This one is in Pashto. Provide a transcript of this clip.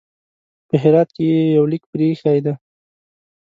په هرات کې یو لیک پرې ایښی دی.